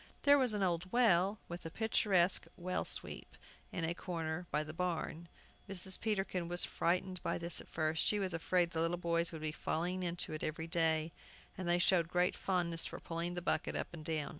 There was an old well, with a picturesque well sweep, in a corner by the barn. Mrs. Peterkin was frightened by this at first. She was afraid the little boys would be falling in every day. And they showed great fondness for pulling the bucket up and down.